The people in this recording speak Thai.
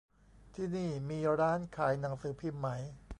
ที่นี่มีร้านขายหนังสือพิมพ์ไหม